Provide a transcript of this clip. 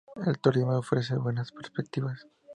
El turismo ofrece buenas perspectivas.